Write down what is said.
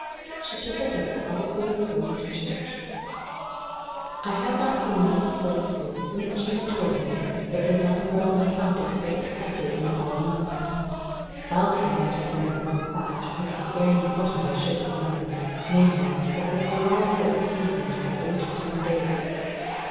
She took it as quietly as going to church. I had not seen Mrs. Blakesley since she had told me that the young earl and countess were expected in about a month; else I might have learned one fact which it was very important I should have known, namely, that their arrival had been hastened by eight or ten days.